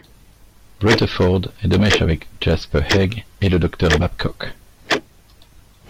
Rutherford est de mèche avec Jasper Haig et le Docteur Babcock.